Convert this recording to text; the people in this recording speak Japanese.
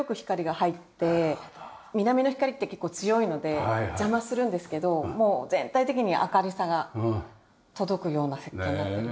南の光って結構強いので邪魔するんですけどもう全体的に明るさが届くような設計になってます。